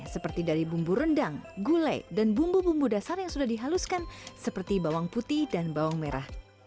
seperti dari bumbu rendang gulai dan bumbu bumbu dasar yang sudah dihaluskan seperti bawang putih dan bawang merah